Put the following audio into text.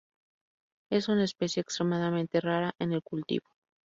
Es una especie extremadamente rara en el cultivo.